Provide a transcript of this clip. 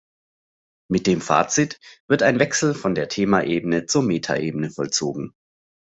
Mit dem Fazit wird ein Wechsel von der Thema-Ebene zur Meta-Ebene vollzogen.